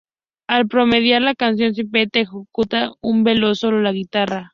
Al promediar la canción Spinetta ejecuta un veloz solo de guitarra.